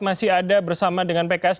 masih ada bersama dengan pks